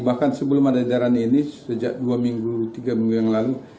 bahkan sebelum ada jalan ini sejak dua minggu tiga minggu yang lalu